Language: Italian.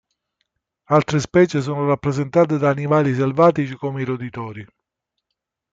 Altre specie sono rappresentate da animali selvatici, come i roditori.